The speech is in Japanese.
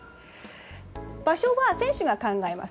場所は選手が考えます。